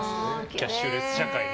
キャッシュレス社会に。